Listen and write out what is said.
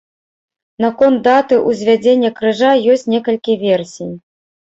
Наконт даты ўзвядзення крыжа ёсць некалькі версій.